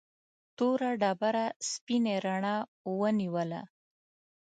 توره ډبره سپینې رڼا ونیوله.